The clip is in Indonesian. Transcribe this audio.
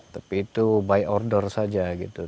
tapi itu by order saja gitu